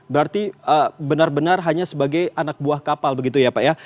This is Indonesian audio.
berarti benar benar hanya sebagai anak buah kapal begitu ya pak ya